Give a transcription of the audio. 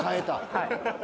はい。